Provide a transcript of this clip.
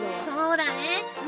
そうだね。